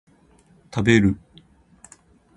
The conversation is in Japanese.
食べる